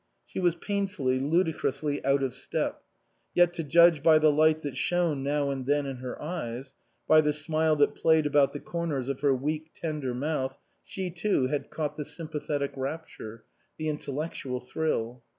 She was painfully, ludicrously out of step ; yet to judge by the light that shone now and then in her eyes, by the smile that played about the corners of her weak, tender mouth, she too had caught the sympathetic rapture, the in tellectual thrill.